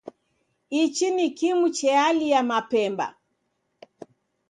Ichi ni kimu chealia mapemba